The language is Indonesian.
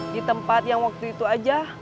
di tempat yang waktu itu aja